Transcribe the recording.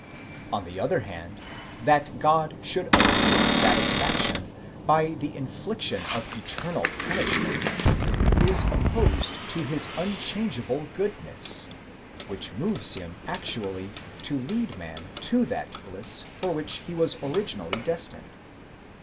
On the other hand, that God should obtain satiSfac tion by the infliction of eternal punishment, is opposed to his unchangeable goodness, which moves him actually to lead man to that bliss for which he was originally destined.